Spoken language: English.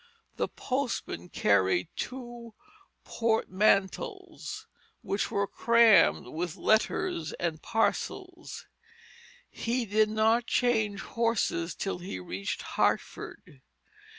The postman carried two "portmantles," which were crammed with letters and parcels. He did not change horses till he reached Hartford.